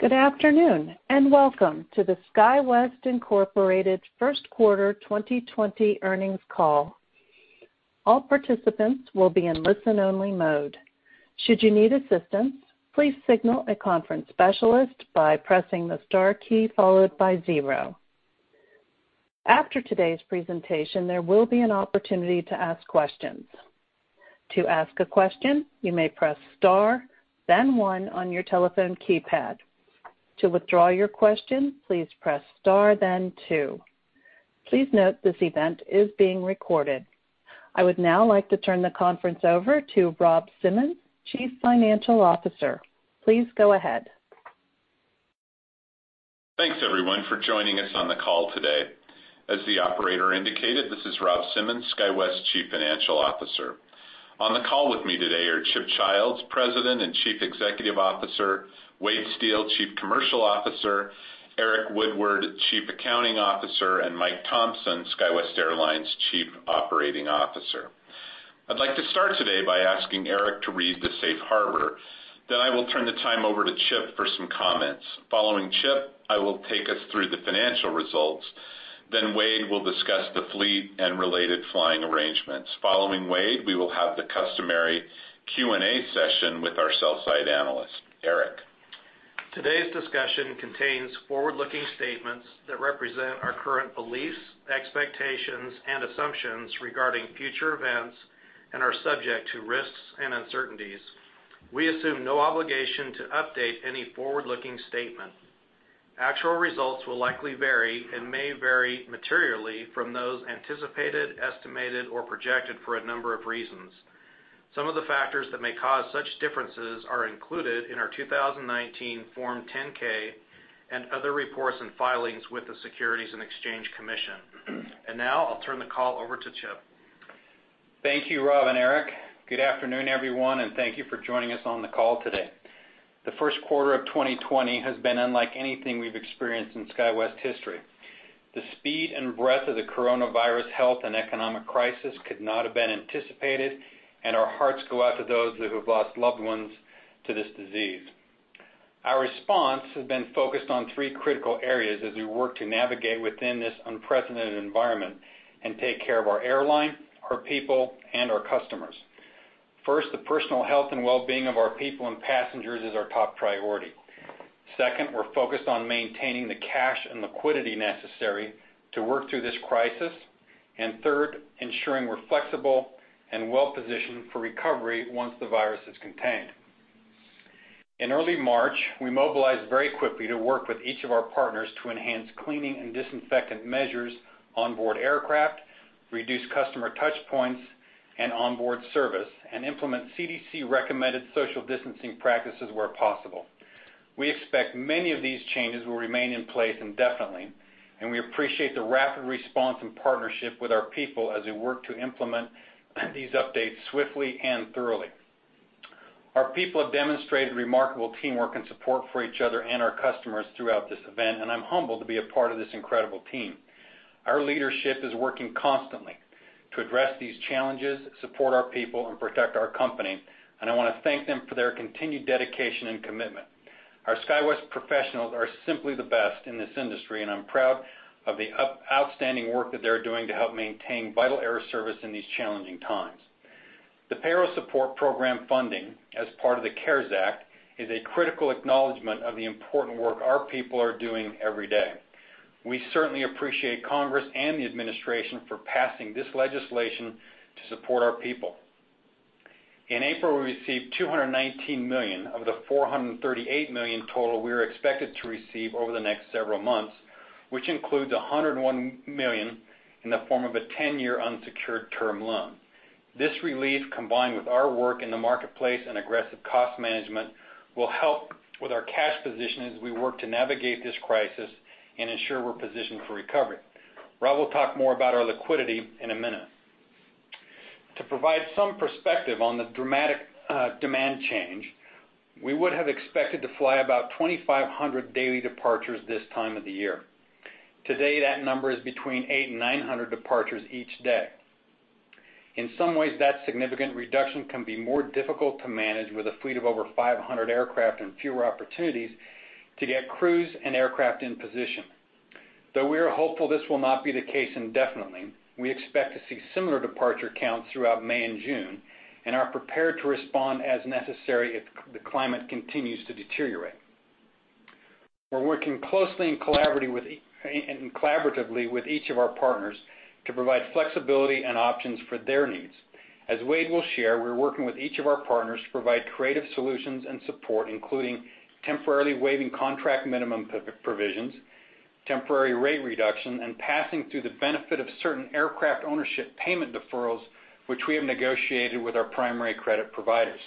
Good afternoon and welcome to the SkyWest Incorporated Q1 2020 Earnings Call. All participants will be in listen-only mode. Should you need assistance, please signal a conference specialist by pressing the star key followed by zero. After today's presentation, there will be an opportunity to ask questions. To ask a question, you may press star, then one on your telephone keypad. To withdraw your question, please press star, then two. Please note this event is being recorded. I would now like to turn the conference over to Rob Simmons, CFO. Please go ahead. Thanks, everyone, for joining us on the call today. As the operator indicated, this is Rob Simmons, SkyWest CFO. On the call with me today are Chip Childs, President and CEO; Wade Steel, CCO; Eric Woodward, CAO; and Mike Thompson, SkyWest Airlines COO. I'd like to start today by asking Eric to read the Safe Harbor. Then I will turn the time over to Chip for some comments. Following Chip, I will take us through the financial results. Then Wade will discuss the fleet and related flying arrangements. Following Wade, we will have the customary Q&A session with our sell-side analyst, Eric. Today's discussion contains forward-looking statements that represent our current beliefs, expectations, and assumptions regarding future events and are subject to risks and uncertainties. We assume no obligation to update any forward-looking statement. Actual results will likely vary and may vary materially from those anticipated, estimated, or projected for a number of reasons. Some of the factors that may cause such differences are included in our 2019 Form 10-K and other reports and filings with the Securities and Exchange Commission, and now I'll turn the call over to Chip. Thank you, Rob and Eric. Good afternoon, everyone, and thank you for joining us on the call today. The Q1 of 2020 has been unlike anything we've experienced in SkyWest history. The speed and breadth of the coronavirus health and economic crisis could not have been anticipated, and our hearts go out to those who have lost loved ones to this disease. Our response has been focused on three critical areas as we work to navigate within this unprecedented environment and take care of our airline, our people, and our customers. First, the personal health and well-being of our people and passengers is our top priority. Second, we're focused on maintaining the cash and liquidity necessary to work through this crisis. And third, ensuring we're flexible and well-positioned for recovery once the virus is contained. In early March, we mobilized very quickly to work with each of our partners to enhance cleaning and disinfectant measures onboard aircraft, reduce customer touchpoints, and onboard service, and implement CDC-recommended social distancing practices where possible. We expect many of these changes will remain in place indefinitely, and we appreciate the rapid response and partnership with our people as we work to implement these updates swiftly and thoroughly. Our people have demonstrated remarkable teamwork and support for each other and our customers throughout this event, and I'm humbled to be a part of this incredible team. Our leadership is working constantly to address these challenges, support our people, and protect our company, and I want to thank them for their continued dedication and commitment. Our SkyWest professionals are simply the best in this industry, and I'm proud of the outstanding work that they're doing to help maintain vital air service in these challenging times. The Payroll Support Program funding, as part of the CARES Act, is a critical acknowledgment of the important work our people are doing every day. We certainly appreciate Congress and the administration for passing this legislation to support our people. In April, we received $219 million of the $438 million total we are expected to receive over the next several months, which includes $101 million in the form of a 10-year unsecured term loan. This relief, combined with our work in the marketplace and aggressive cost management, will help with our cash position as we work to navigate this crisis and ensure we're positioned for recovery. Rob will talk more about our liquidity in a minute. To provide some perspective on the dramatic demand change, we would have expected to fly about 2,500 daily departures this time of the year. Today, that number is between 800 and 900 departures each day. In some ways, that significant reduction can be more difficult to manage with a fleet of over 500 aircraft and fewer opportunities to get crews and aircraft in position. Though we are hopeful this will not be the case indefinitely, we expect to see similar departure counts throughout May and June and are prepared to respond as necessary if the climate continues to deteriorate. We're working closely and collaboratively with each of our partners to provide flexibility and options for their needs. As Wade will share, we're working with each of our partners to provide creative solutions and support, including temporarily waiving contract minimum provisions, temporary rate reduction, and passing through the benefit of certain aircraft ownership payment deferrals, which we have negotiated with our primary credit providers.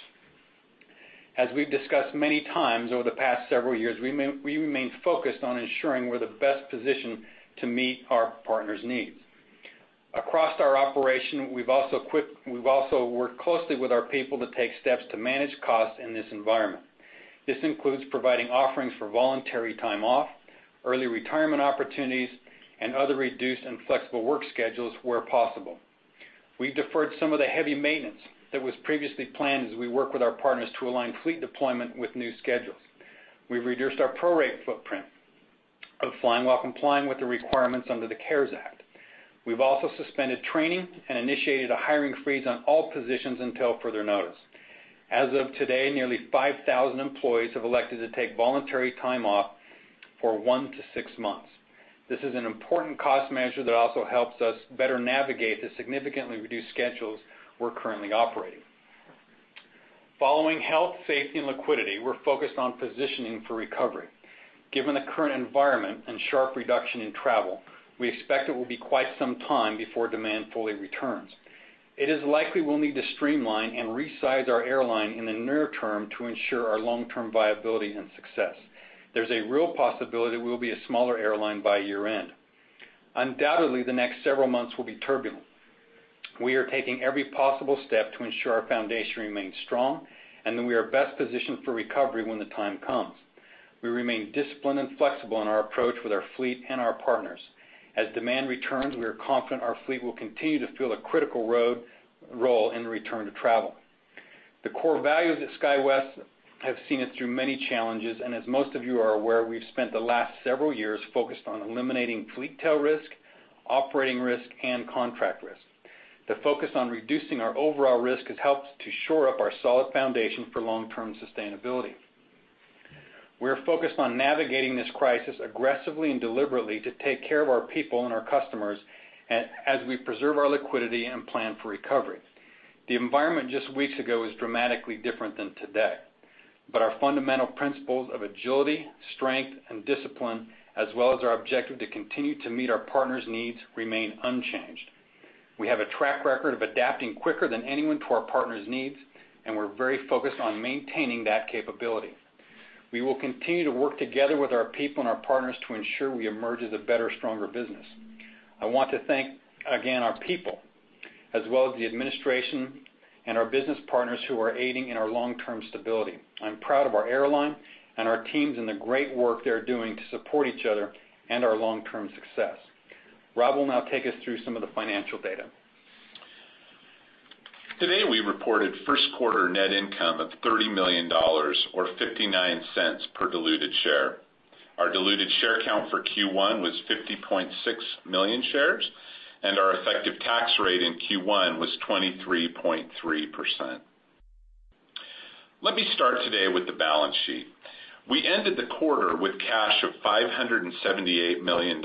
As we've discussed many times over the past several years, we remain focused on ensuring we're the best position to meet our partners' needs. Across our operation, we've also worked closely with our people to take steps to manage costs in this environment. This includes providing offerings for voluntary time off, early retirement opportunities, and other reduced and flexible work schedules where possible. We've deferred some of the heavy maintenance that was previously planned as we work with our partners to align fleet deployment with new schedules. We've reduced our pro-rate footprint of flying while complying with the requirements under the CARES Act. We've also suspended training and initiated a hiring freeze on all positions until further notice. As of today, nearly 5,000 employees have elected to take voluntary time off for one to six months. This is an important cost measure that also helps us better navigate the significantly reduced schedules we're currently operating. Following health, safety, and liquidity, we're focused on positioning for recovery. Given the current environment and sharp reduction in travel, we expect it will be quite some time before demand fully returns. It is likely we'll need to streamline and resize our airline in the near term to ensure our long-term viability and success. There's a real possibility we'll be a smaller airline by year-end. Undoubtedly, the next several months will be turbulent. We are taking every possible step to ensure our foundation remains strong and that we are best positioned for recovery when the time comes. We remain disciplined and flexible in our approach with our fleet and our partners. As demand returns, we are confident our fleet will continue to fill a critical role in return to travel. The core values at SkyWest have seen us through many challenges, and as most of you are aware, we've spent the last several years focused on eliminating fleet tail risk, operating risk, and contract risk. The focus on reducing our overall risk has helped to shore up our solid foundation for long-term sustainability. We're focused on navigating this crisis aggressively and deliberately to take care of our people and our customers as we preserve our liquidity and plan for recovery. The environment just weeks ago is dramatically different than today, but our fundamental principles of agility, strength, and discipline, as well as our objective to continue to meet our partners' needs, remain unchanged. We have a track record of adapting quicker than anyone to our partners' needs, and we're very focused on maintaining that capability. We will continue to work together with our people and our partners to ensure we emerge as a better, stronger business. I want to thank, again, our people, as well as the administration and our business partners who are aiding in our long-term stability. I'm proud of our airline and our teams and the great work they're doing to support each other and our long-term success. Rob will now take us through some of the financial data. Today, we reported Q1 net income of $30 million, or $0.59 per diluted share. Our diluted share count for Q1 was 50.6 million shares, and our effective tax rate in Q1 was 23.3%. Let me start today with the balance sheet. We ended the quarter with cash of $578 million,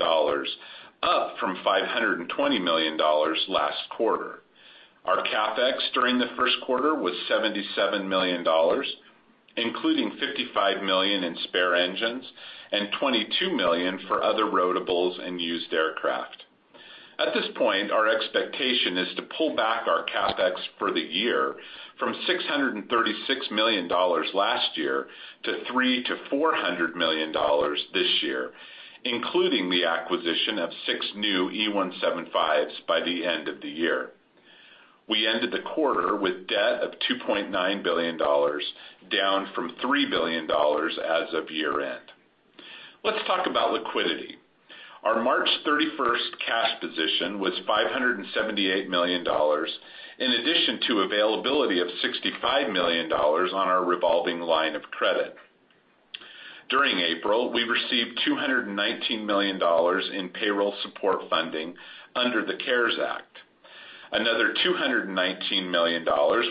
up from $520 million last quarter. Our CapEx during the Q1 was $77 million, including $55 million in spare engines and $22 million for other rotables and used aircraft. At this point, our expectation is to pull back our CapEx for the year from $636 million last year to $300 million-$400 million this year, including the acquisition of six new E175s by the end of the year. We ended the quarter with debt of $2.9 billion, down from $3 billion as of year-end. Let's talk about liquidity. Our March 31st cash position was $578 million, in addition to availability of $65 million on our revolving line of credit. During April, we received $219 million in payroll support funding under the CARES Act. Another $219 million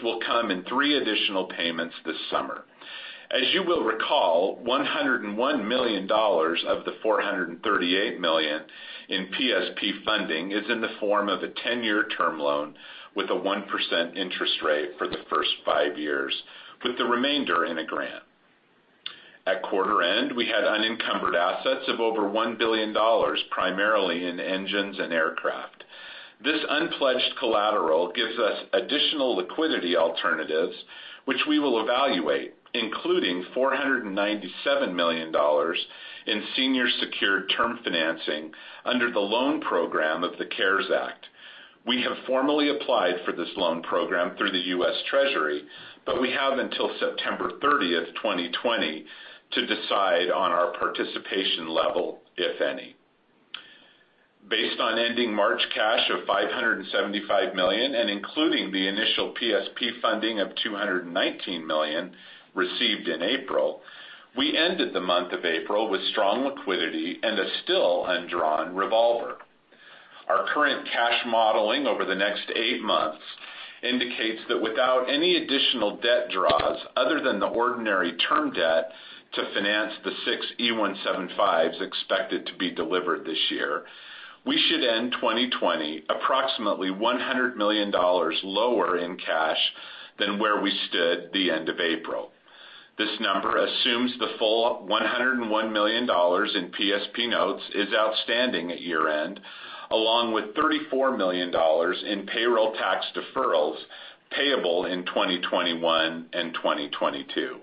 will come in three additional payments this summer. As you will recall, $101 million of the $438 million in PSP funding is in the form of a 10-year term loan with a 1% interest rate for the first five years, with the remainder in a grant. At quarter end, we had unencumbered assets of over $1 billion, primarily in engines and aircraft. This unpledged collateral gives us additional liquidity alternatives, which we will evaluate, including $497 million in senior secured term financing under the loan program of the CARES Act. We have formally applied for this loan program through the U.S. Treasury, but we have until September 30th, 2020, to decide on our participation level, if any. Based on ending March cash of $575 million and including the initial PSP funding of $219 million received in April, we ended the month of April with strong liquidity and a still undrawn revolver. Our current cash modeling over the next eight months indicates that without any additional debt draws other than the ordinary term debt to finance the six E175s expected to be delivered this year, we should end 2020 approximately $100 million lower in cash than where we stood the end of April. This number assumes the full $101 million in PSP notes is outstanding at year-end, along with $34 million in payroll tax deferrals payable in 2021 and 2022.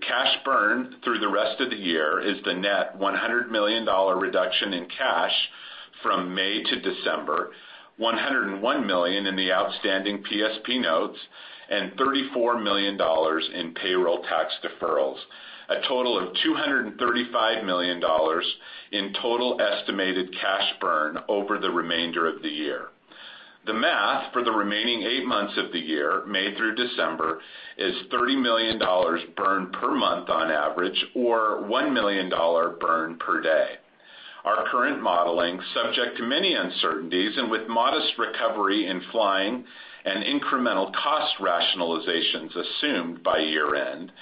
Cash burn through the rest of the year is the net $100 million reduction in cash from May to December, $101 million in the outstanding PSP notes, and $34 million in payroll tax deferrals, a total of $235 million in total estimated cash burn over the remainder of the year. The math for the remaining eight months of the year, May through December, is $30 million burn per month on average, or $1 million burn per day. Our current modeling, subject to many uncertainties and with modest recovery in flying and incremental cost rationalizations assumed by year-end,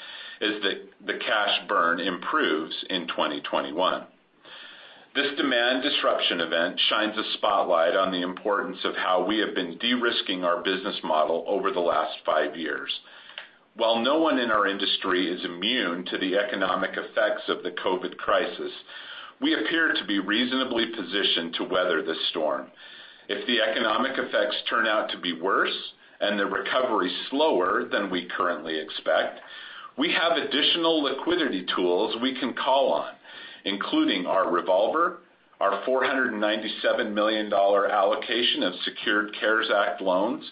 is that the cash burn improves in 2021. This demand disruption event shines a spotlight on the importance of how we have been de-risking our business model over the last five years. While no one in our industry is immune to the economic effects of the COVID crisis, we appear to be reasonably positioned to weather this storm. If the economic effects turn out to be worse and the recovery slower than we currently expect, we have additional liquidity tools we can call on, including our revolver, our $497 million allocation of secured CARES Act loans,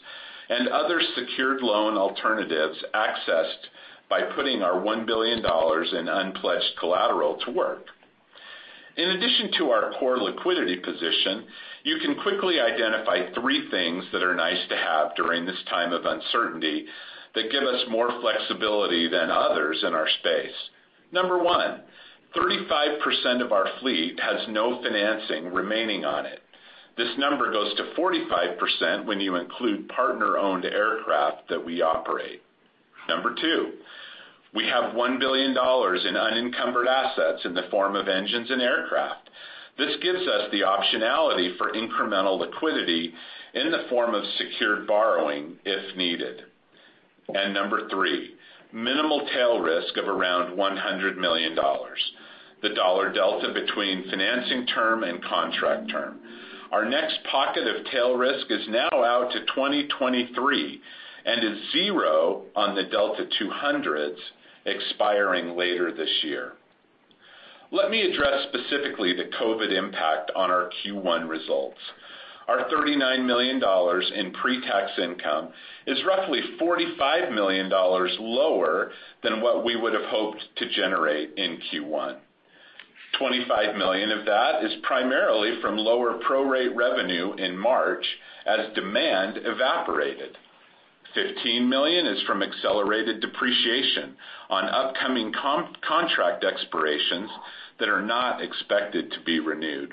and other secured loan alternatives accessed by putting our $1 billion in unpledged collateral to work. In addition to our core liquidity position, you can quickly identify three things that are nice to have during this time of uncertainty that give us more flexibility than others in our space. Number one, 35% of our fleet has no financing remaining on it. This number goes to 45% when you include partner-owned aircraft that we operate. Number two, we have $1 billion in unencumbered assets in the form of engines and aircraft. This gives us the optionality for incremental liquidity in the form of secured borrowing if needed. And number three, minimal tail risk of around $100 million, the dollar delta between financing term and contract term. Our next pocket of tail risk is now out to 2023 and is zero on the CRJ200s expiring later this year. Let me address specifically the COVID impact on our Q1 results. Our $39 million in pre-tax income is roughly $45 million lower than what we would have hoped to generate in Q1. $25 million of that is primarily from lower pro-rate revenue in March as demand evaporated. $15 million is from accelerated depreciation on upcoming contract expirations that are not expected to be renewed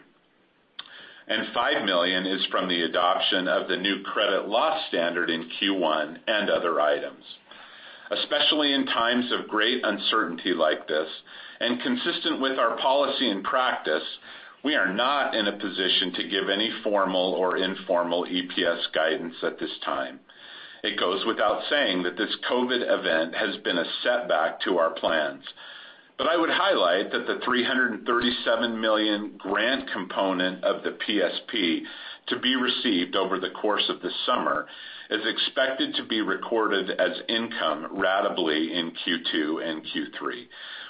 and $5 million is from the adoption of the new credit loss standard in Q1 and other items. Especially in times of great uncertainty like this, and consistent with our policy and practice, we are not in a position to give any formal or informal EPS guidance at this time. It goes without saying that this COVID event has been a setback to our plans. I would highlight that the $337 million grant component of the PSP to be received over the course of this summer is expected to be recorded as income ratably in Q2 and Q3.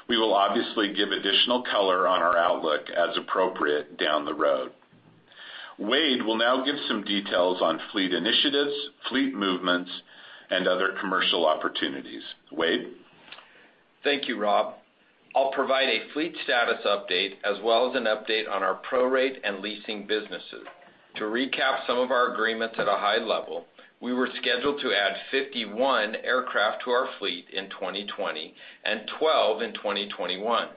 We will obviously give additional color on our outlook as appropriate down the road. Wade will now give some details on fleet initiatives, fleet movements, and other commercial opportunities. Wade. Thank you, Rob. I'll provide a fleet status update as well as an update on our pro-rate and leasing businesses. To recap some of our agreements at a high level, we were scheduled to add 51 aircraft to our fleet in 2020 and 12 in 2021.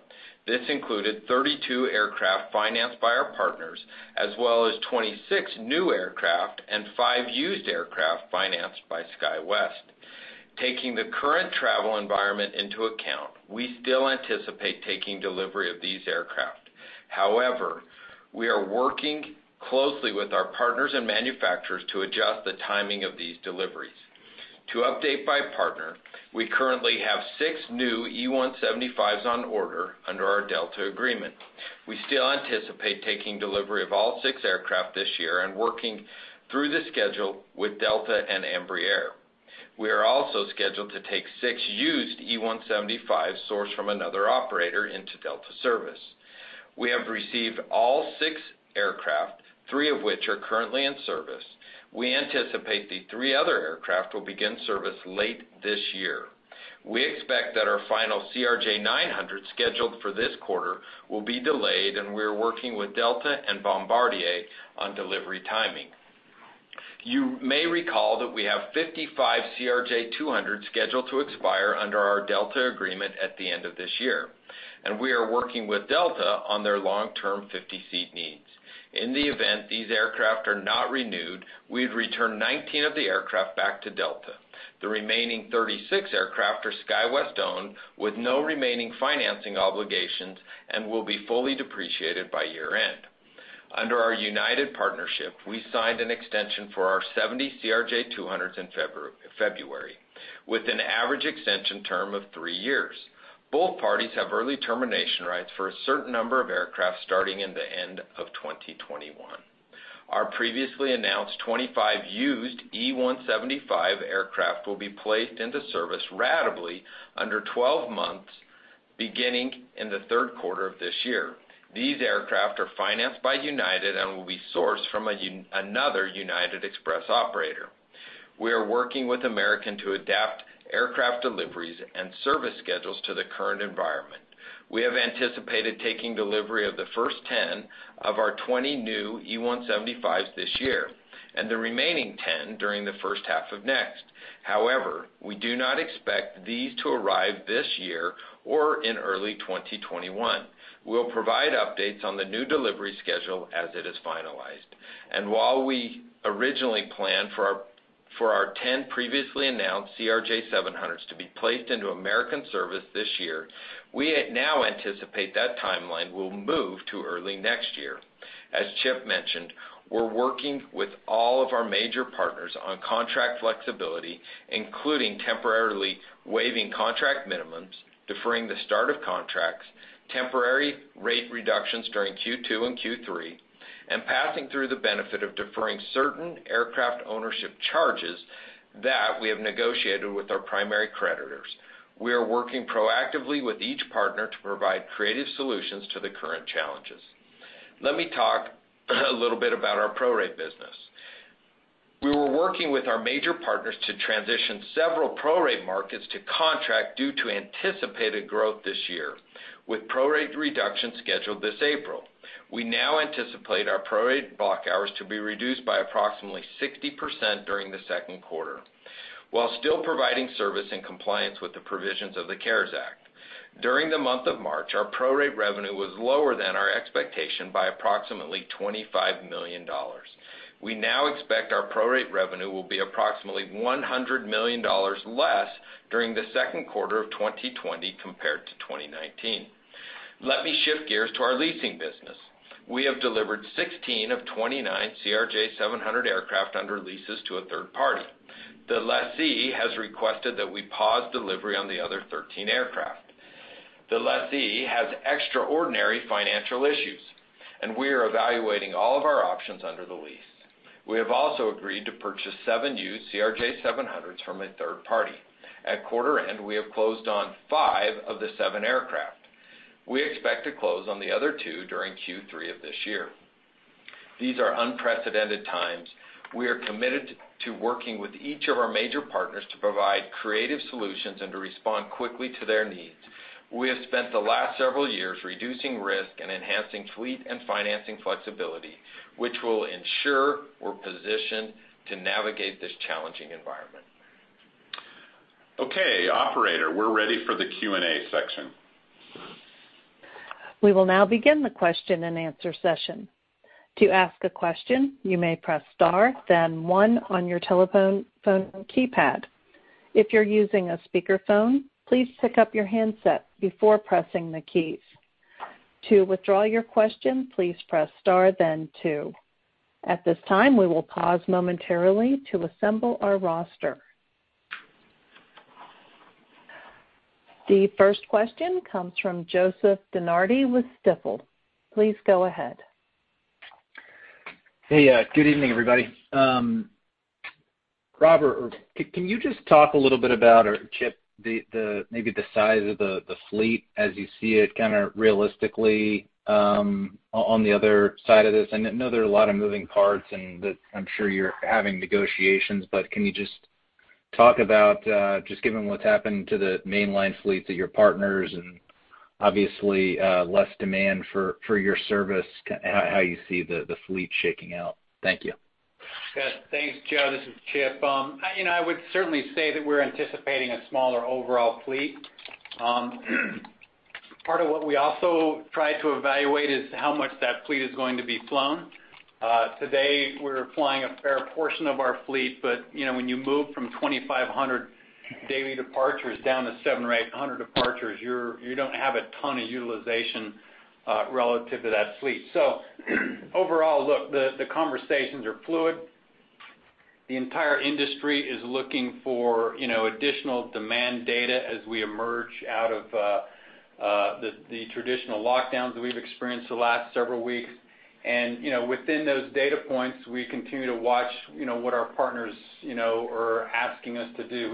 This included 32 aircraft financed by our partners, as well as 26 new aircraft and five used aircraft financed by SkyWest. Taking the current travel environment into account, we still anticipate taking delivery of these aircraft. However, we are working closely with our partners and manufacturers to adjust the timing of these deliveries. To update, by partner, we currently have six new E175s on order under our Delta agreement. We still anticipate taking delivery of all six aircraft this year and working through the schedule with Delta and Embraer. We are also scheduled to take six used E175s sourced from another operator into Delta service. We have received all six aircraft, three of which are currently in service. We anticipate the three other aircraft will begin service late this year. We expect that our final CRJ900 scheduled for this quarter will be delayed, and we are working with Delta and Bombardier on delivery timing. You may recall that we have 55 CRJ-200 scheduled to expire under our Delta agreement at the end of this year, and we are working with Delta on their long-term 50-seat needs. In the event these aircraft are not renewed, we'd return 19 of the aircraft back to Delta. The remaining 36 aircraft are SkyWest-owned with no remaining financing obligations and will be fully depreciated by year-end. Under our United partnership, we signed an extension for our 70 CRJ-200s in February, with an average extension term of three years. Both parties have early termination rights for a certain number of aircraft starting in the end of 2021. Our previously announced 25 used E175 aircraft will be placed into service ratably under 12 months beginning in the Q3 of this year. These aircraft are financed by United and will be sourced from another United Express operator. We are working with American to adapt aircraft deliveries and service schedules to the current environment. We have anticipated taking delivery of the first 10 of our 20 new E175s this year and the remaining 10 during the first half of next. However, we do not expect these to arrive this year or in early 2021. We'll provide updates on the new delivery schedule as it is finalized. While we originally planned for our 10 previously announced CRJ-700s to be placed into American service this year, we now anticipate that timeline will move to early next year. As Chip mentioned, we're working with all of our major partners on contract flexibility, including temporarily waiving contract minimums, deferring the start of contracts, temporary rate reductions during Q2 and Q3, and passing through the benefit of deferring certain aircraft ownership charges that we have negotiated with our primary creditors. We are working proactively with each partner to provide creative solutions to the current challenges. Let me talk a little bit about our pro-rate business. We were working with our major partners to transition several pro-rate markets to contract due to anticipated growth this year, with pro-rate reduction scheduled this April. We now anticipate our pro-rate block hours to be reduced by approximately 60% during the Q2, while still providing service and compliance with the provisions of the CARES Act. During the month of March, our pro-rate revenue was lower than our expectation by approximately $25 million. We now expect our pro-rate revenue will be approximately $100 million less during the Q2 of 2020 compared to 2019. Let me shift gears to our leasing business. We have delivered 16 of 29 CRJ-700 aircraft under leases to a third party. The lessee has requested that we pause delivery on the other 13 aircraft. The lessee has extraordinary financial issues, and we are evaluating all of our options under the lease. We have also agreed to purchase seven used CRJ-700s from a third party. At quarter end, we have closed on five of the seven aircraft. We expect to close on the other two during Q3 of this year. These are unprecedented times. We are committed to working with each of our major partners to provide creative solutions and to respond quickly to their needs. We have spent the last several years reducing risk and enhancing fleet and financing flexibility, which will ensure we're positioned to navigate this challenging environment. Okay, Operator, we're ready for the Q&A section. We will now begin the question-and-answer session. To ask a question, you may press star, then one on your telephone keypad. If you're using a speakerphone, please pick up your handset before pressing the keys. To withdraw your question, please press star, then two. At this time, we will pause momentarily to assemble our roster. The first question comes from Joseph DeNardi with Stifel. Please go ahead. Hey, good evening, everybody. Rob, can you just talk a little bit about, or Chip, maybe the size of the fleet as you see it kind of realistically on the other side of this? I know there are a lot of moving parts and that I'm sure you're having negotiations, but can you just talk about, just given what's happened to the mainline fleets at your partners and obviously less demand for your service, how you see the fleet shaking out? Thank you. Thanks, Joe. This is Chip. I would certainly say that we're anticipating a smaller overall fleet. Part of what we also tried to evaluate is how much that fleet is going to be flown. Today, we're flying a fair portion of our fleet, but when you move from 2,500 daily departures down to 700 or 800 departures, you don't have a ton of utilization relative to that fleet. So overall, look, the conversations are fluid. The entire industry is looking for additional demand data as we emerge out of the traditional lockdowns that we've experienced the last several weeks. And within those data points, we continue to watch what our partners are asking us to do.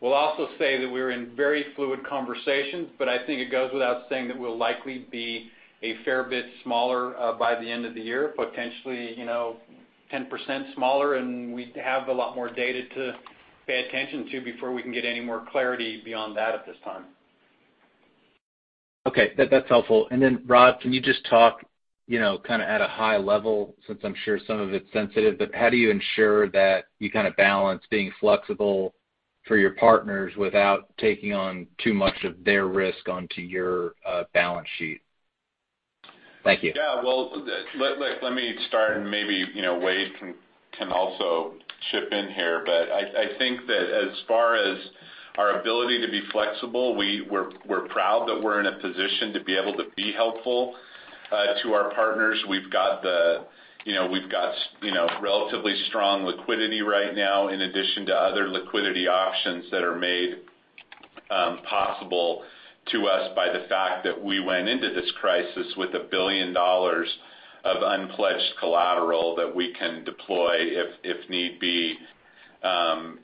We'll also say that we're in very fluid conversations, but I think it goes without saying that we'll likely be a fair bit smaller by the end of the year, potentially 10% smaller, and we have a lot more data to pay attention to before we can get any more clarity beyond that at this time. Okay, that's helpful. And then, Rob, can you just talk kind of at a high level, since I'm sure some of it's sensitive, but how do you ensure that you kind of balance being flexible for your partners without taking on too much of their risk onto your balance sheet? Thank you. Yeah, well, look, let me start, and maybe Wade can also chip in here, but I think that as far as our ability to be flexible, we're proud that we're in a position to be able to be helpful to our partners. We've got relatively strong liquidity right now in addition to other liquidity options that are made possible to us by the fact that we went into this crisis with $1 billion of unpledged collateral that we can deploy if need be down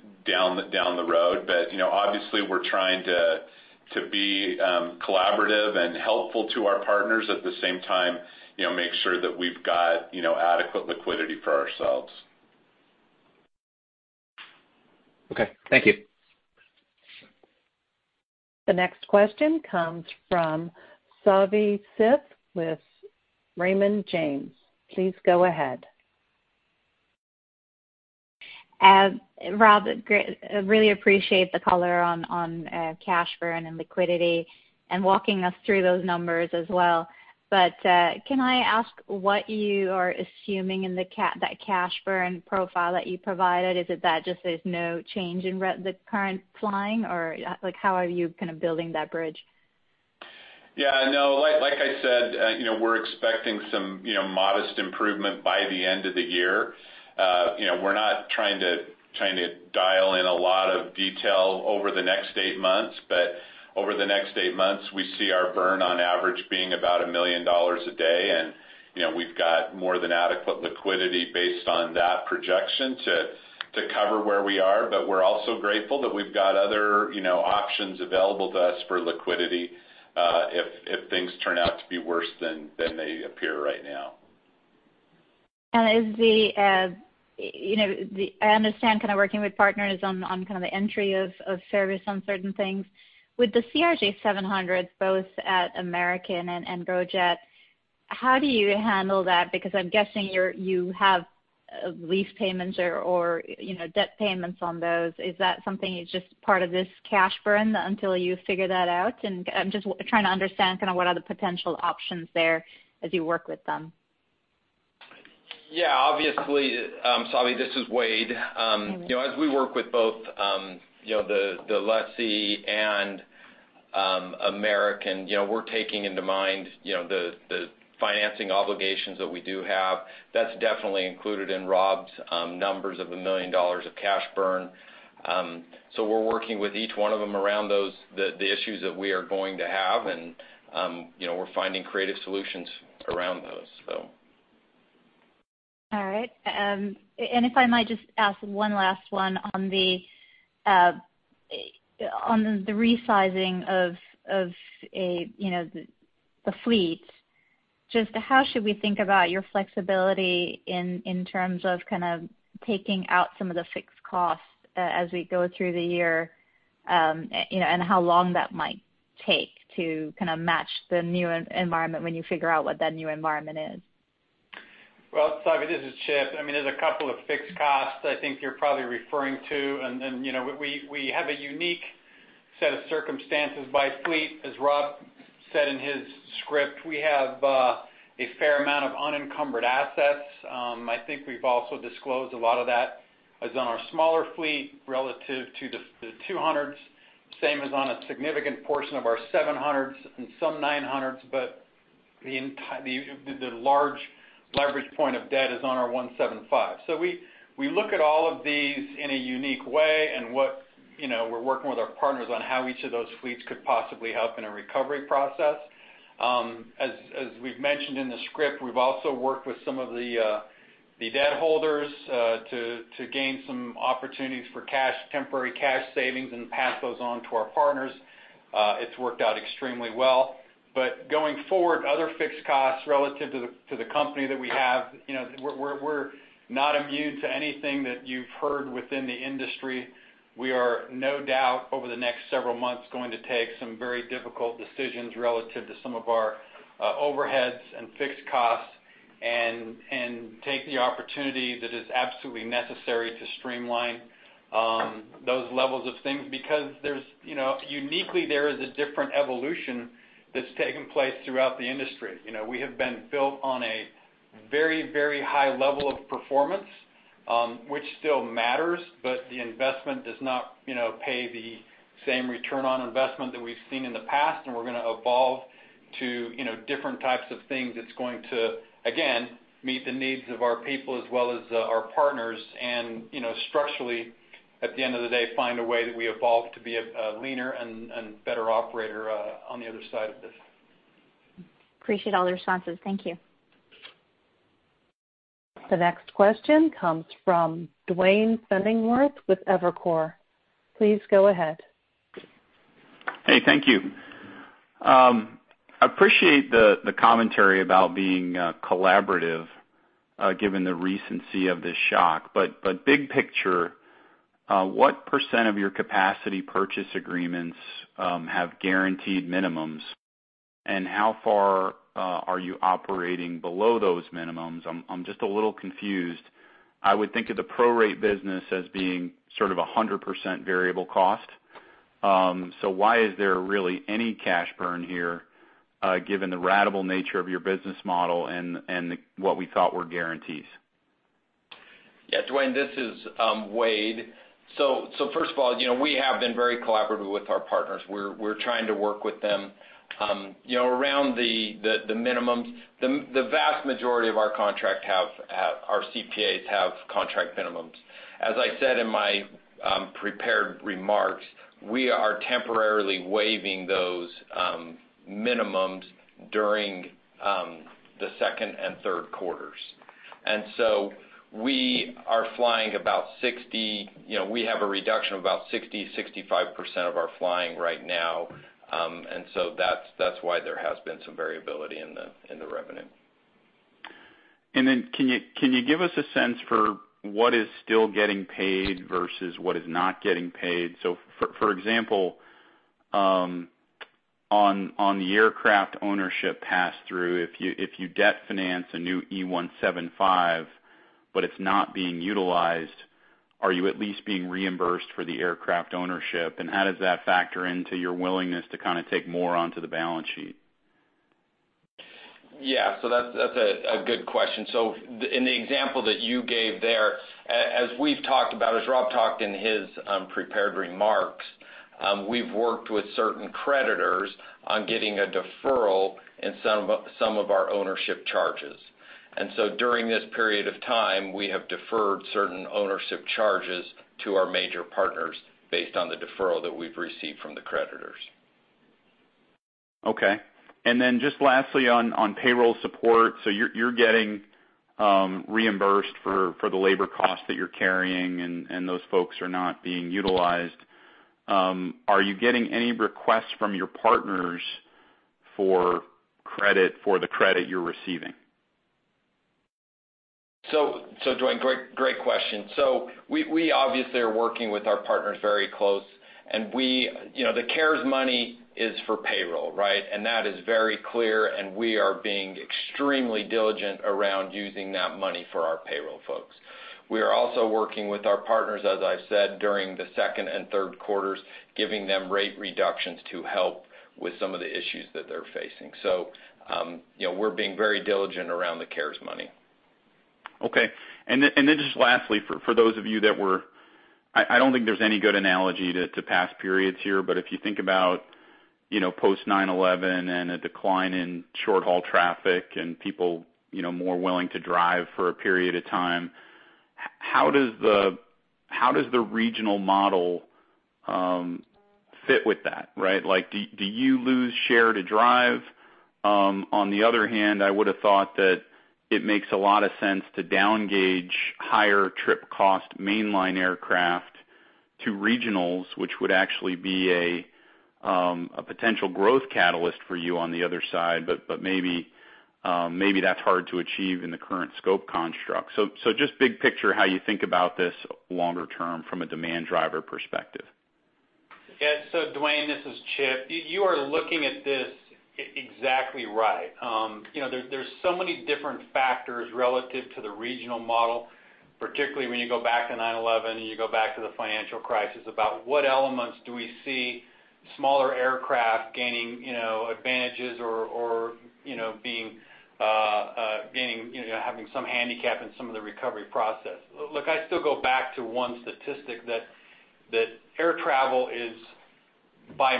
the road. But obviously, we're trying to be collaborative and helpful to our partners at the same time, make sure that we've got adequate liquidity for ourselves. Okay, thank you. The next question comes from Savi Syth with Raymond James. Please go ahead. Ask Rob, I really appreciate the color on cash burn and liquidity and walking us through those numbers as well. But can I ask what you are assuming in that cash burn profile that you provided? Is it just that there's no change in the current flying, or how are you kind of building that bridge? Yeah, no, like I said, we're expecting some modest improvement by the end of the year. We're not trying to dial in a lot of detail over the next eight months, but over the next eight months, we see our burn on average being about $1 million a day, and we've got more than adequate liquidity based on that projection to cover where we are. But we're also grateful that we've got other options available to us for liquidity if things turn out to be worse than they appear right now. I understand kind of working with partners on kind of the entry of service on certain things. With the CRJ-700s, both at American and GoJet, how do you handle that? Because I'm guessing you have lease payments or debt payments on those. Is that something that's just part of this cash burn until you figure that out? I'm just trying to understand kind of what are the potential options there as you work with them. Yeah, obviously, Savi, this is Wade. As we work with both the Lessee and American, we're taking into mind the financing obligations that we do have. That's definitely included in Rob's numbers of $1 million of cash burn. So we're working with each one of them around the issues that we are going to have, and we're finding creative solutions around those, so. All right, and if I might just ask one last one on the resizing of the fleet, just how should we think about your flexibility in terms of kind of taking out some of the fixed costs as we go through the year and how long that might take to kind of match the new environment when you figure out what that new environment is? Savi, this is Chip. I mean, there's a couple of fixed costs I think you're probably referring to, and we have a unique set of circumstances by fleet. As Rob said in his script, we have a fair amount of unencumbered assets. I think we've also disclosed a lot of that is on our smaller fleet relative to the 200s, same as on a significant portion of our 700s and some 900s, but the large leverage point of debt is on our 175. So we look at all of these in a unique way and what we're working with our partners on how each of those fleets could possibly help in a recovery process. As we've mentioned in the script, we've also worked with some of the debt holders to gain some opportunities for temporary cash savings and pass those on to our partners. It's worked out extremely well. But going forward, other fixed costs relative to the company that we have, we're not immune to anything that you've heard within the industry. We are no doubt over the next several months going to take some very difficult decisions relative to some of our overheads and fixed costs and take the opportunity that is absolutely necessary to streamline those levels of things because uniquely there is a different evolution that's taken place throughout the industry. We have been built on a very, very high level of performance, which still matters, but the investment does not pay the same return on investment that we've seen in the past, and we're going to evolve to different types of things that's going to, again, meet the needs of our people as well as our partners and structurally, at the end of the day, find a way that we evolve to be a leaner and better operator on the other side of this. Appreciate all the responses. Thank you. The next question comes from Duane Pfennigwerth with Evercore. Please go ahead. Hey, thank you. I appreciate the commentary about being collaborative given the recency of this shock, but big picture, what percent of your capacity purchase agreements have guaranteed minimums, and how far are you operating below those minimums? I'm just a little confused. I would think of the pro-rate business as being sort of 100% variable cost. So why is there really any cash burn here given the ratable nature of your business model and what we thought were guarantees? Yeah, Duane, this is Wade. First of all, we have been very collaborative with our partners. We are trying to work with them around the minimums. The vast majority of our contract, our CPAs have contract minimums. As I said in my prepared remarks, we are temporarily waiving those minimums during the Q2 and Q3s. We are flying about 60%. We have a reduction of about 60%-65% of our flying right now. That's why there has been some variability in the revenue. Then can you give us a sense for what is still getting paid versus what is not getting paid? So for example, on the aircraft ownership pass-through, if you debt finance a new E175, but it's not being utilized, are you at least being reimbursed for the aircraft ownership, and how does that factor into your willingness to kind of take more onto the balance sheet? Yeah, so that's a good question. So in the example that you gave there, as we've talked about, as Rob talked in his prepared remarks, we've worked with certain creditors on getting a deferral in some of our ownership charges. And so during this period of time, we have deferred certain ownership charges to our major partners based on the deferral that we've received from the creditors. Okay. And then, just lastly, on payroll support, so you're getting reimbursed for the labor costs that you're carrying, and those folks are not being utilized. Are you getting any requests from your partners for the credit you're receiving? Duane, great question. We obviously are working with our partners very close, and the CARES money is for payroll, right? And that is very clear, and we are being extremely diligent around using that money for our payroll folks. We are also working with our partners, as I've said, during the Q2 and Q3s, giving them rate reductions to help with some of the issues that they're facing. We're being very diligent around the CARES money. Okay. And then just lastly, for those of you that were. I don't think there's any good analogy to past periods here, but if you think about post-9/11 and a decline in short-haul traffic and people more willing to drive for a period of time, how does the regional model fit with that, right? Do you lose share to drive? On the other hand, I would have thought that it makes a lot of sense to downgauge higher trip cost mainline aircraft to regionals, which would actually be a potential growth catalyst for you on the other side, but maybe that's hard to achieve in the current scope construct. So just big picture, how you think about this longer term from a demand driver perspective. Yeah, so Duane, this is Chip. You are looking at this exactly right. There's so many different factors relative to the regional model, particularly when you go back to 9/11 and you go back to the financial crisis, about what elements do we see smaller aircraft gaining advantages or having some handicap in some of the recovery process. Look, I still go back to one statistic that air travel is, by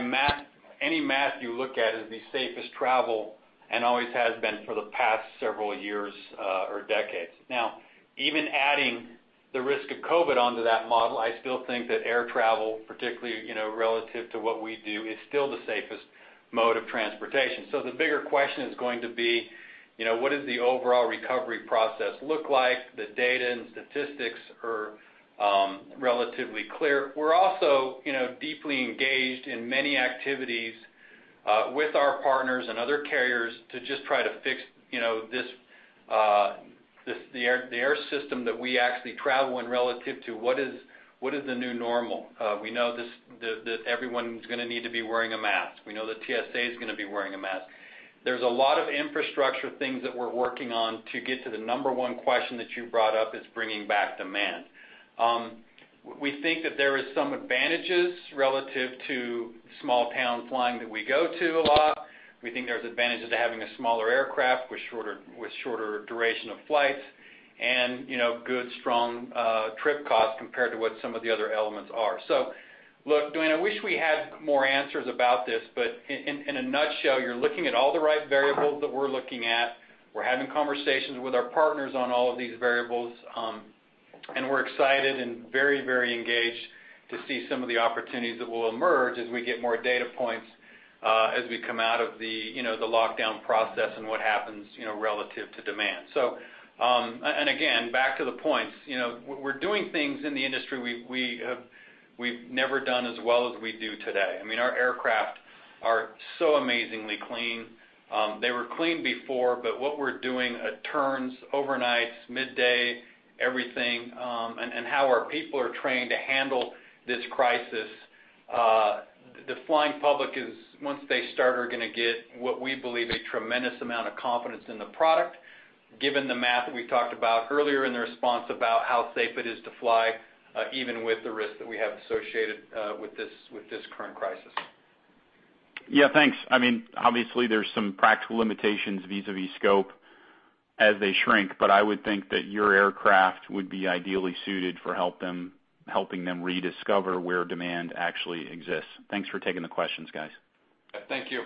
any math you look at, is the safest travel and always has been for the past several years or decades. Now, even adding the risk of COVID onto that model, I still think that air travel, particularly relative to what we do, is still the safest mode of transportation. So the bigger question is going to be, what does the overall recovery process look like? The data and statistics are relatively clear. We're also deeply engaged in many activities with our partners and other carriers to just try to fix the air system that we actually travel in relative to what is the new normal. We know that everyone's going to need to be wearing a mask. We know the TSA is going to be wearing a mask. There's a lot of infrastructure things that we're working on to get to the number one question that you brought up. It's bringing back demand. We think that there are some advantages relative to small-town flying that we go to a lot. We think there's advantages to having a smaller aircraft with shorter duration of flights and good, strong trip costs compared to what some of the other elements are. So look, Duane, I wish we had more answers about this, but in a nutshell, you're looking at all the right variables that we're looking at. We're having conversations with our partners on all of these variables, and we're excited and very, very engaged to see some of the opportunities that will emerge as we get more data points, as we come out of the lockdown process and what happens relative to demand. And again, back to the points, we're doing things in the industry we've never done as well as we do today. I mean, our aircraft are so amazingly clean. They were clean before, but what we're doing turns overnights, midday, everything, and how our people are trained to handle this crisis. The flying public is, once they start, are going to get what we believe a tremendous amount of confidence in the product, given the math we talked about earlier in the response about how safe it is to fly, even with the risk that we have associated with this current crisis. Yeah, thanks. I mean, obviously, there's some practical limitations vis-à-vis scope as they shrink, but I would think that your aircraft would be ideally suited for helping them rediscover where demand actually exists. Thanks for taking the questions, guys. Thank you.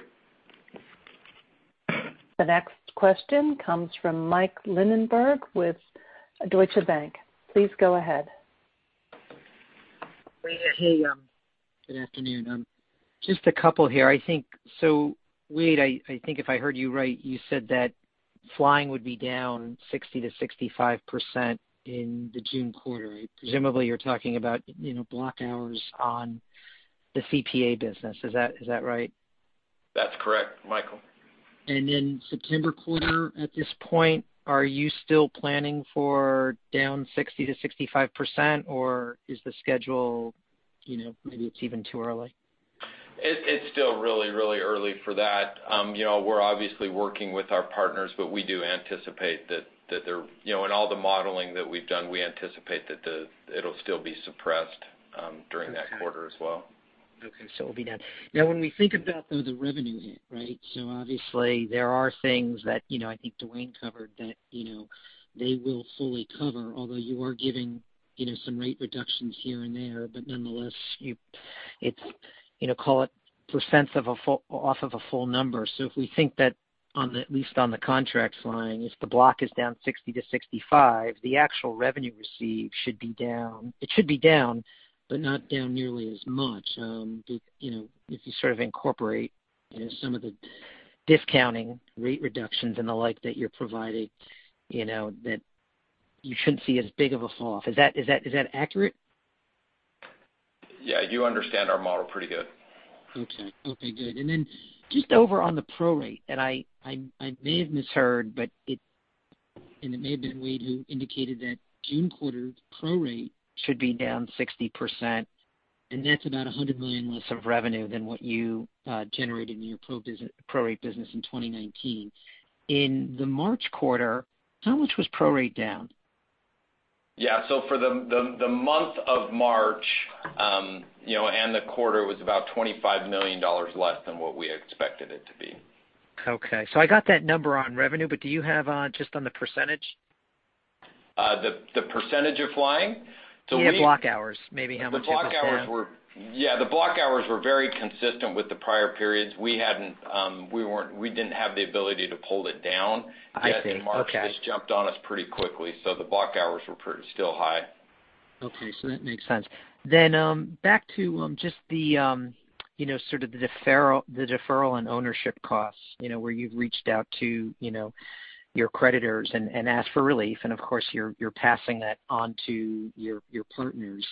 The next question comes from Mike Linenberg with Deutsche Bank. Please go ahead. Hey, good afternoon. Just a couple here. So Wade, I think if I heard you right, you said that flying would be down 60%-65% in the June quarter. Presumably, you're talking about block hours on the CPA business. Is that right? That's correct, Michael. Then September quarter, at this point, are you still planning for down 60%-65%, or is the schedule maybe it's even too early? It's still really, really early for that. We're obviously working with our partners, but we do anticipate that in all the modeling that we've done, we anticipate that it'll still be suppressed during that quarter as well. Okay. So it'll be down. Now, when we think about the revenue hit, right, so obviously, there are things that I think Duane covered that they will fully cover, although you are giving some rate reductions here and there, but nonetheless, it's call it % off of a full number. So if we think that at least on the contract flying, if the block is down 60%-65%, the actual revenue received should be down. It should be down, but not down nearly as much if you sort of incorporate some of the discounting, rate reductions, and the like that you're providing, that you shouldn't see as big of a falloff. Is that accurate? Yeah, you understand our model pretty good. Okay. Okay, good. And then just over on the pro-rate, and I may have misheard, and it may have been Wade who indicated that June quarter pro-rate should be down 60%, and that's about $100 million less of revenue than what you generated in your pro-rate business in 2019. In the March quarter, how much was pro-rate down? Yeah, so for the month of March and the quarter, it was about $25 million less than what we expected it to be. Okay. So I got that number on revenue, but do you have just on the percentage? The percentage of flying? So we. You have block hours, maybe how much of the pro-rate? Yeah, the block hours were very consistent with the prior periods. We didn't have the ability to pull it down. I see. Okay. I think March just jumped on us pretty quickly, so the block hours were still high. Okay. So that makes sense. Then back to just sort of the deferral and ownership costs where you've reached out to your creditors and asked for relief, and of course, you're passing that on to your partners.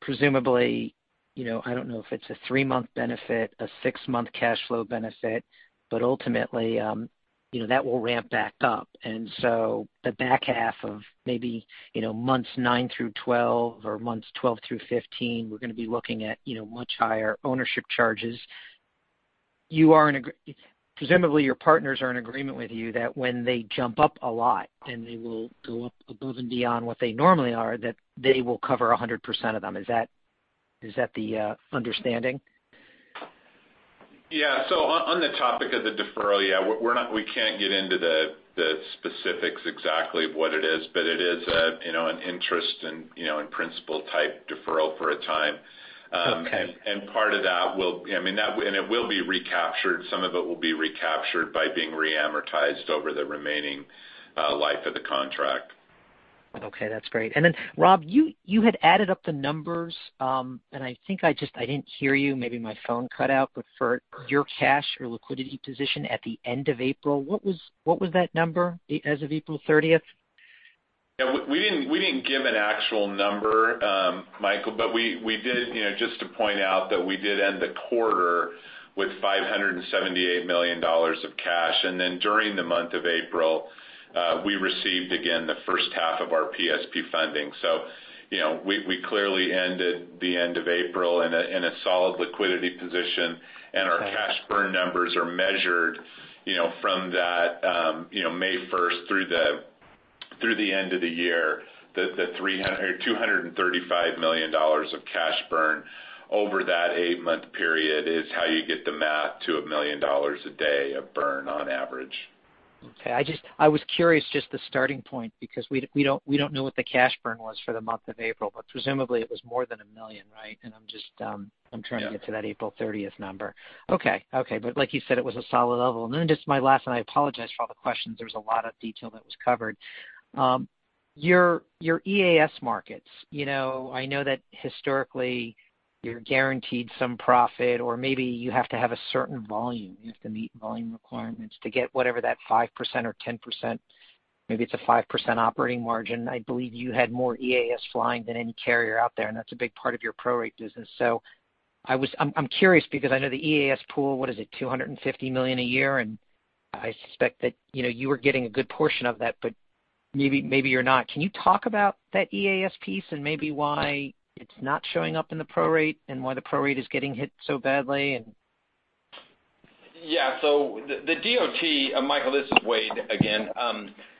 Presumably, I don't know if it's a three-month benefit, a six-month cash flow benefit, but ultimately, that will ramp back up. And so the back half of maybe months nine through 12 or months 12 through 15, we're going to be looking at much higher ownership charges. Presumably, your partners are in agreement with you that when they jump up a lot and they will go up above and beyond what they normally are, that they will cover 100% of them. Is that the understanding? Yeah, so on the topic of the deferral, yeah, we can't get into the specifics exactly of what it is, but it is an interest and principal-type deferral for a time. Part of that will, I mean, be recaptured. Some of it will be recaptured by being reamortized over the remaining life of the contract. Okay. That's great. And then, Rob, you had added up the numbers, and I think I just didn't hear you. Maybe my phone cut out. But for your cash or liquidity position at the end of April, what was that number as of April 30th? Yeah. We didn't give an actual number, Michael, but we did just to point out that we did end the quarter with $578 million of cash. Then during the month of April, we received, again, the first half of our PSP funding. So we clearly ended April in a solid liquidity position, and our cash burn numbers are measured from that May 1st through the end of the year. The $235 million of cash burn over that eight-month period is how you get the math to a million dollars a day of burn on average. Okay. I was curious just the starting point because we don't know what the cash burn was for the month of April, but presumably, it was more than $1 million, right? And I'm trying to get to that April 30th number. Okay. Okay. But like you said, it was a solid level. And then just my last, and I apologize for all the questions. There was a lot of detail that was covered. Your EAS markets, I know that historically, you're guaranteed some profit, or maybe you have to have a certain volume. You have to meet volume requirements to get whatever that 5% or 10%. Maybe it's a 5% operating margin. I believe you had more EAS flying than any carrier out there, and that's a big part of your pro-rate business. So I'm curious because I know the EAS pool, what is it, $250 million a year? I suspect that you were getting a good portion of that, but maybe you're not. Can you talk about that EAS piece and maybe why it's not showing up in the pro-rate and why the pro-rate is getting hit so badly? Yeah. So the DOT, Michael, this is Wade again.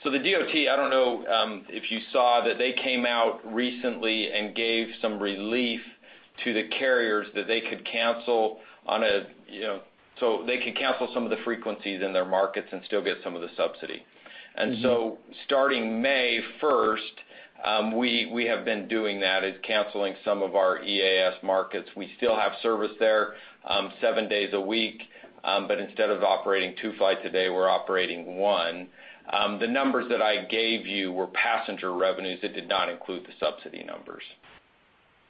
So the DOT, I don't know if you saw that they came out recently and gave some relief to the carriers that they could cancel on a so they could cancel some of the frequencies in their markets and still get some of the subsidy. And so starting May 1st, we have been doing that, is canceling some of our EAS markets. We still have service there seven days a week, but instead of operating two flights a day, we're operating one. The numbers that I gave you were passenger revenues. It did not include the subsidy numbers.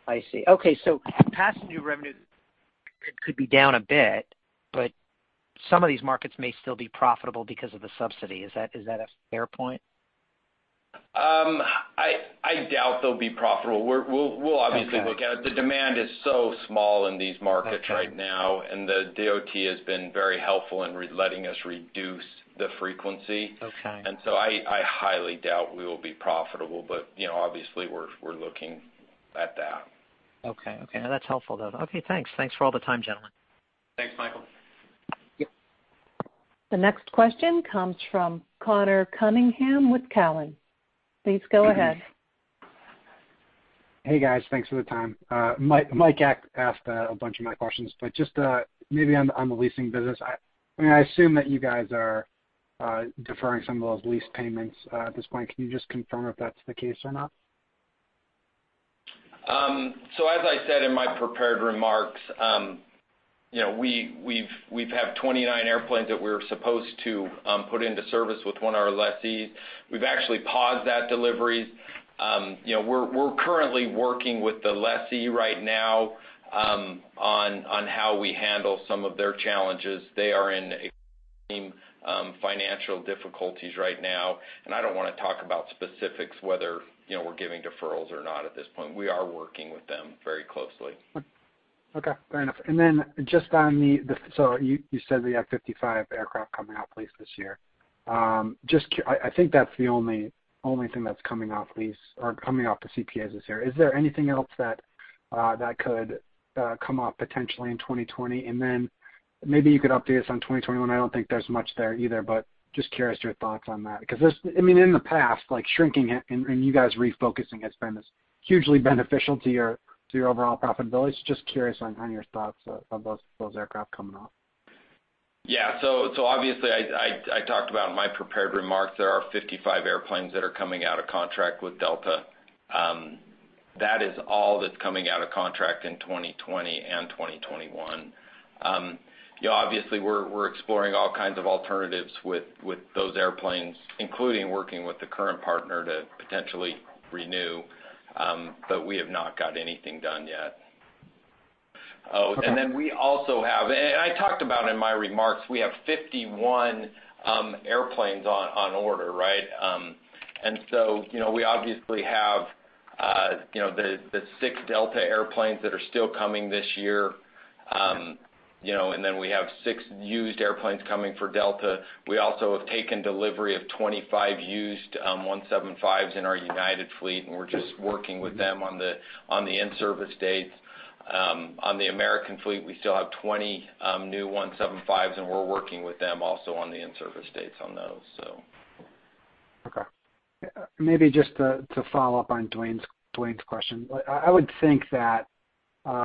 I see. Okay. So passenger revenues could be down a bit, but some of these markets may still be profitable because of the subsidy. Is that a fair point? I doubt they'll be profitable. We'll obviously look at it. The demand is so small in these markets right now, and the DOT has been very helpful in letting us reduce the frequency. And so I highly doubt we will be profitable, but obviously, we're looking at that. Okay. Okay. That's helpful, though. Okay. Thanks. Thanks for all the time, gentlemen. Thanks, Michael. The next question comes from Conor Cunningham with Cowen. Please go ahead. Hey, guys. Thanks for the time. Mike asked a bunch of my questions, but just maybe on the leasing business. I mean, I assume that you guys are deferring some of those lease payments at this point. Can you just confirm if that's the case or not? So as I said in my prepared remarks, we have 29 airplanes that we were supposed to put into service with one of our Lessees. We've actually paused that delivery. We're currently working with the Lessee right now on how we handle some of their challenges. They are in extreme financial difficulties right now. And I don't want to talk about specifics, whether we're giving deferrals or not at this point. We are working with them very closely. Okay. Fair enough. And then just on the so you said we have 55 aircraft coming off lease this year. I think that's the only thing that's coming off lease or coming off the CPAs this year. Is there anything else that could come off potentially in 2020? And then maybe you could update us on 2021. I don't think there's much there either, but just curious your thoughts on that. Because I mean, in the past, shrinking and you guys refocusing has been hugely beneficial to your overall profitability. So just curious on your thoughts of those aircraft coming off. Yeah. So obviously, I talked about in my prepared remarks, there are 55 airplanes that are coming out of contract with Delta. That is all that's coming out of contract in 2020 and 2021. Obviously, we're exploring all kinds of alternatives with those airplanes, including working with the current partner to potentially renew, but we have not got anything done yet. And then we also have, and I talked about in my remarks, we have 51 airplanes on order, right? And so we obviously have the six Delta airplanes that are still coming this year, and then we have six used airplanes coming for Delta. We also have taken delivery of 25 used 175s in our United fleet, and we're just working with them on the in-service dates. On the American fleet, we still have 20 new 175s, and we're working with them also on the in-service dates on those, so. Okay. Maybe just to follow up on Duane's question, I would think that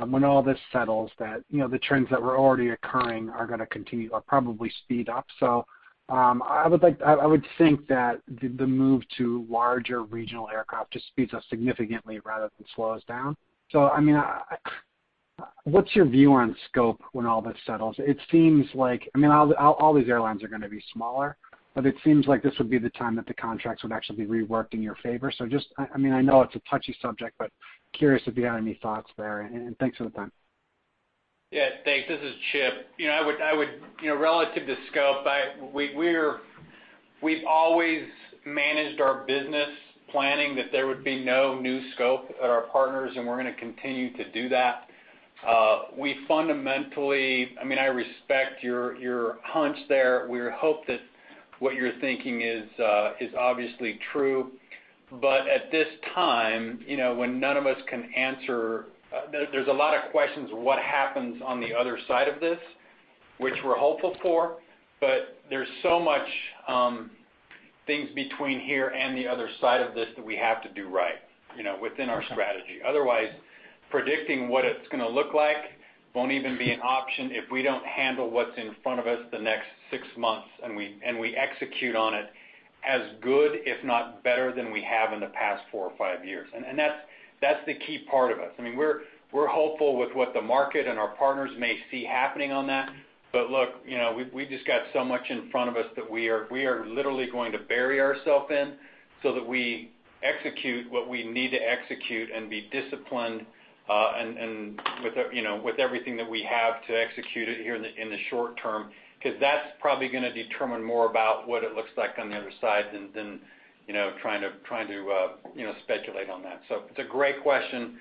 when all this settles, that the trends that were already occurring are going to continue or probably speed up. So I would think that the move to larger regional aircraft just speeds up significantly rather than slows down. So I mean, what's your view on scope when all this settles? It seems like I mean, all these airlines are going to be smaller, but it seems like this would be the time that the contracts would actually be reworked in your favor. So I mean, I know it's a touchy subject, but curious if you had any thoughts there. And thanks for the time. Yeah. Thanks. This is Chip. I would relative to scope, we've always managed our business planning that there would be no new scope at our partners, and we're going to continue to do that. I mean, I respect your hunch there. We hope that what you're thinking is obviously true. But at this time, when none of us can answer, there's a lot of questions of what happens on the other side of this, which we're hopeful for, but there's so much things between here and the other side of this that we have to do right within our strategy. Otherwise, predicting what it's going to look like won't even be an option if we don't handle what's in front of us the next six months and we execute on it as good, if not better, than we have in the past four or five years. And that's the key part of us. I mean, we're hopeful with what the market and our partners may see happening on that. But look, we just got so much in front of us that we are literally going to bury ourself in so that we execute what we need to execute and be disciplined with everything that we have to execute it here in the short term because that's probably going to determine more about what it looks like on the other side than trying to speculate on that. So it's a great question.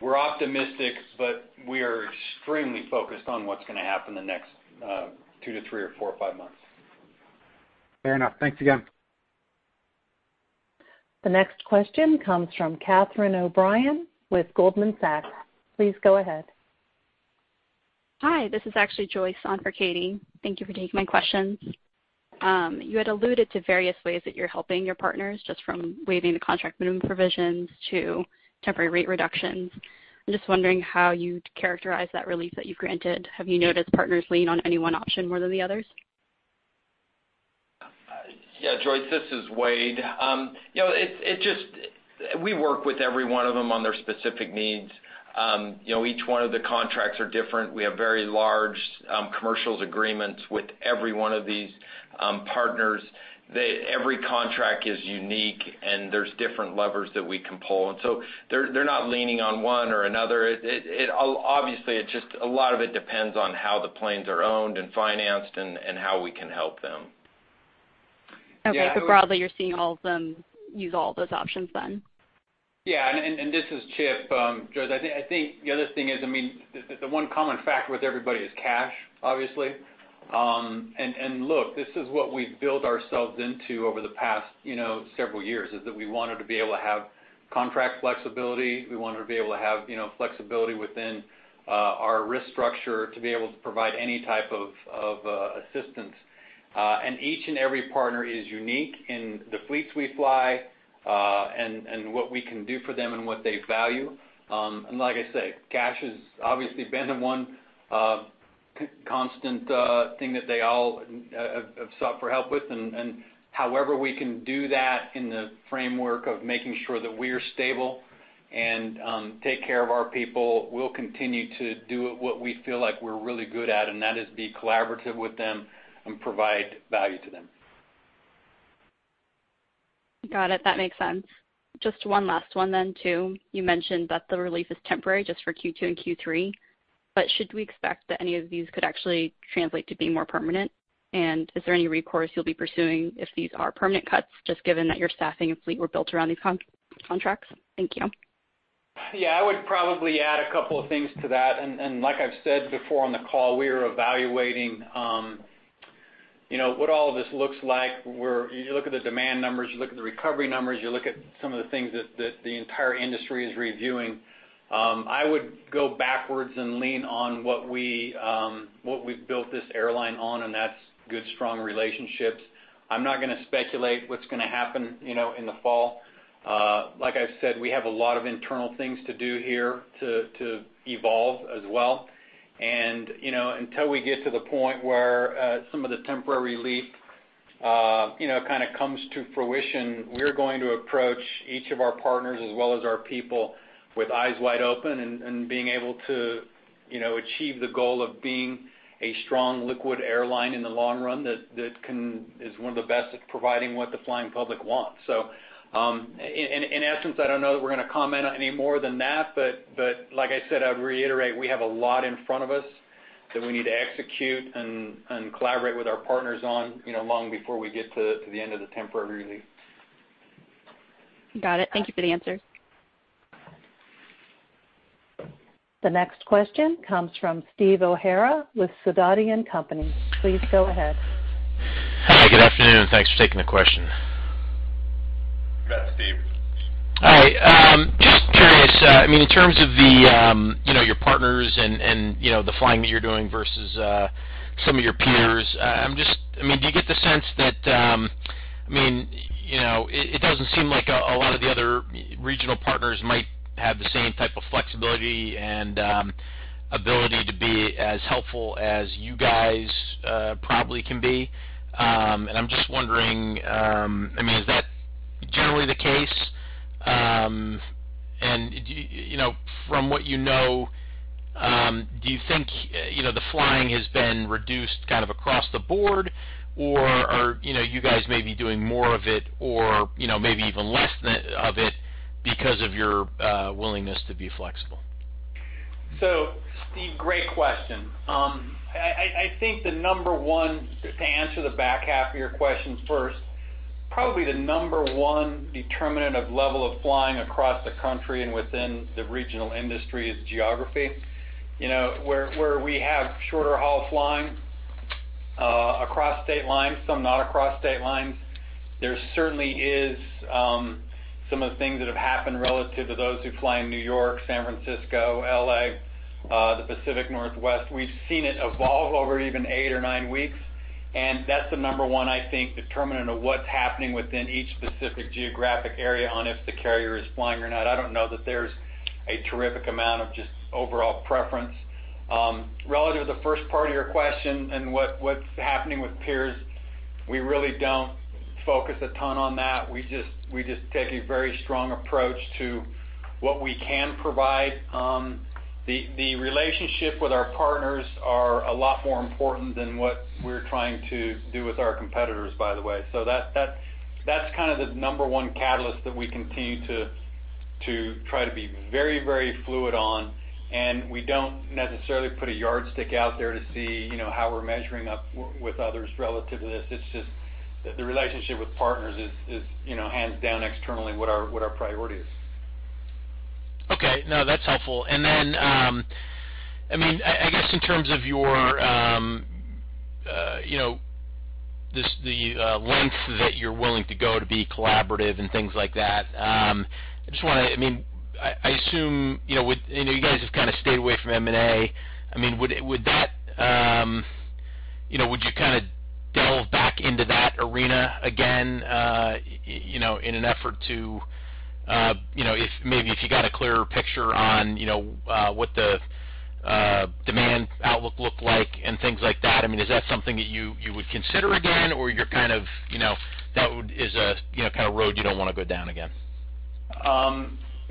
We're optimistic, but we are extremely focused on what's going to happen the next two to three or four or five months. Fair enough. Thanks again. The next question comes from Catherine O'Brien with Goldman Sachs. Please go ahead. Hi. This is actually Joyce on for Katie. Thank you for taking my questions. You had alluded to various ways that you're helping your partners, just from waiving the contract minimum provisions to temporary rate reductions. I'm just wondering how you'd characterize that relief that you've granted. Have you noticed partners lean on any one option more than the others? Yeah. Joyce, this is Wade. We work with every one of them on their specific needs. Each one of the contracts are different. We have very large commercial agreements with every one of these partners. Every contract is unique, and there's different levers that we can pull. And so they're not leaning on one or another. Obviously, a lot of it depends on how the planes are owned and financed and how we can help them. Okay, so broadly, you're seeing all of them use all those options then? Yeah. And this is Chip. I think the other thing is, I mean, the one common factor with everybody is cash, obviously. And look, this is what we've built ourselves into over the past several years, is that we wanted to be able to have contract flexibility. We wanted to be able to have flexibility within our risk structure to be able to provide any type of assistance. And each and every partner is unique in the fleets we fly and what we can do for them and what they value. And like I say, cash has obviously been the one constant thing that they all have sought for help with. And however we can do that in the framework of making sure that we're stable and take care of our people, we'll continue to do what we feel like we're really good at, and that is be collaborative with them and provide value to them. Got it. That makes sense. Just one last one then too. You mentioned that the relief is temporary just for Q2 and Q3, but should we expect that any of these could actually translate to being more permanent? And is there any recourse you'll be pursuing if these are permanent cuts, just given that your staffing and fleet were built around these contracts? Thank you. Yeah. I would probably add a couple of things to that. And like I've said before on the call, we are evaluating what all of this looks like. You look at the demand numbers. You look at the recovery numbers. You look at some of the things that the entire industry is reviewing. I would go backwards and lean on what we've built this airline on, and that's good, strong relationships. I'm not going to speculate what's going to happen in the fall. Like I said, we have a lot of internal things to do here to evolve as well. And until we get to the point where some of the temporary relief kind of comes to fruition, we're going to approach each of our partners as well as our people with eyes wide open and being able to achieve the goal of being a strong, liquid airline in the long run that is one of the best at providing what the flying public wants. So in essence, I don't know that we're going to comment on any more than that. But like I said, I'd reiterate, we have a lot in front of us that we need to execute and collaborate with our partners on long before we get to the end of the temporary relief. Got it. Thank you for the answers. The next question comes from Steve O'Hara with Sidoti & Company. Please go ahead. Hi. Good afternoon. Thanks for taking the question. Good afternoon. Hi. Just curious. I mean, in terms of your partners and the flying that you're doing versus some of your peers, I mean, do you get the sense that I mean, it doesn't seem like a lot of the other regional partners might have the same type of flexibility and ability to be as helpful as you guys probably can be. And I'm just wondering, I mean, is that generally the case? And from what you know, do you think the flying has been reduced kind of across the board, or are you guys maybe doing more of it or maybe even less of it because of your willingness to be flexible? So Steve, great question. I think the number one to answer the back half of your question first, probably the number one determinant of level of flying across the country and within the regional industry is geography. Where we have shorter-haul flying across state lines, some not across state lines, there certainly is some of the things that have happened relative to those who fly in New York, San Francisco, L.A., the Pacific Northwest. We've seen it evolve over even eight or nine weeks. And that's the number one, I think, determinant of what's happening within each specific geographic area on if the carrier is flying or not. I don't know that there's a terrific amount of just overall preference. Relative to the first part of your question and what's happening with peers, we really don't focus a ton on that. We just take a very strong approach to what we can provide. The relationship with our partners are a lot more important than what we're trying to do with our competitors, by the way. So that's kind of the number one catalyst that we continue to try to be very, very fluid on. And we don't necessarily put a yardstick out there to see how we're measuring up with others relative to this. It's just that the relationship with partners is hands down externally what our priority is. Okay. No, that's helpful. And then, I mean, I guess in terms of the length that you're willing to go to be collaborative and things like that, I just want to. I mean, I assume you guys have kind of stayed away from M&A. I mean, would you kind of delve back into that arena again in an effort to maybe if you got a clearer picture on what the demand outlook looked like and things like that, I mean, is that something that you would consider again, or you're kind of, that is, a kind of road you don't want to go down again?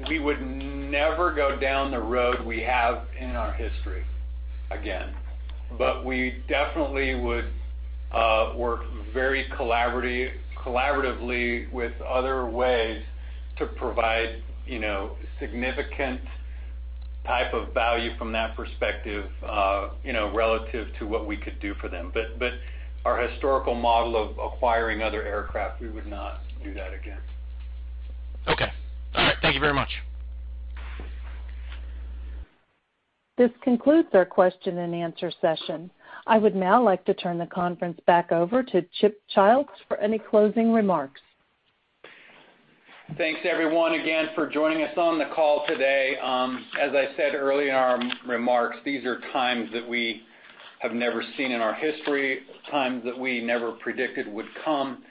We would never go down the road we have in our history again. But we definitely would work very collaboratively with other ways to provide significant type of value from that perspective relative to what we could do for them. But our historical model of acquiring other aircraft, we would not do that again. Okay. All right. Thank you very much. This concludes our question and answer session. I would now like to turn the conference back over to Chip Childs for any closing remarks. Thanks, everyone, again for joining us on the call today. As I said earlier in our remarks, these are times that we have never seen in our history, times that we never predicted would come.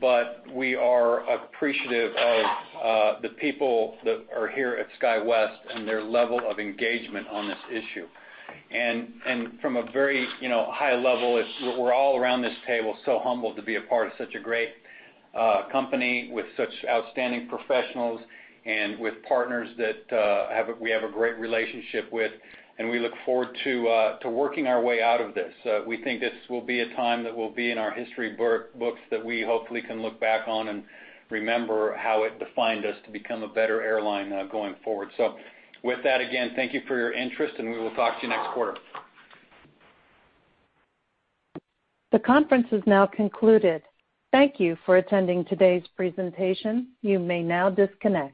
But we are appreciative of the people that are here at SkyWest and their level of engagement on this issue. And from a very high level, we're all around this table so humbled to be a part of such a great company with such outstanding professionals and with partners that we have a great relationship with. And we look forward to working our way out of this. We think this will be a time that will be in our history books that we hopefully can look back on and remember how it defined us to become a better airline going forward. So with that, again, thank you for your interest, and we will talk to you next quarter. The conference is now concluded. Thank you for attending today's presentation. You may now disconnect.